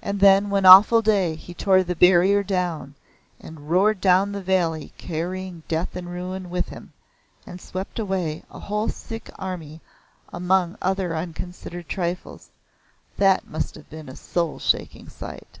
And then one awful day he tore the barrier down and roared down the valley carrying death and ruin with him, and swept away a whole Sikh army among other unconsidered trifles. That must have been a soul shaking sight."